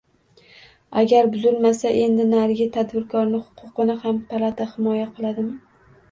Agar buzilmasa endi narigi tadbirkorni xuquqini ham Palata himoya qiladimi?